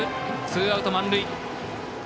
ツーアウト満塁。